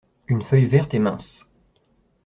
Une feuille verte et mince.